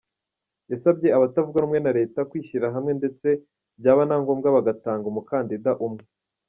Yasabye abatavuga rumwe na Leta kwishyira hamwe ndetse byaba na ngombwa bagatanga umukandida umwe.